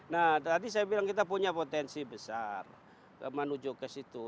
nah tadi saya bilang kita punya potensi besar menuju ke situ